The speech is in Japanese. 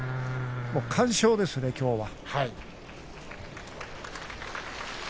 完勝ですね、きょうは。